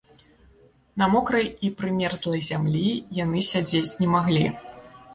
На мокрай і прымерзлай зямлі яны сядзець не маглі.